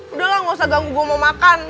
udah lah gak usah ganggu gue mau makan